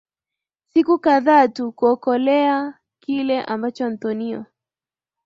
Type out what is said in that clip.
siku kadhaa tu kuokolewa Kile ambacho Antonio